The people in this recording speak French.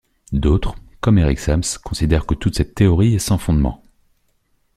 D'autres, comme Eric Sams, considère que toute cette théorie est sans fondement.